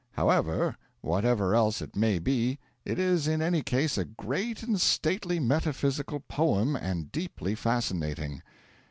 However, whatever else it may be, it is in any case a great and stately metaphysical poem, and deeply fascinating.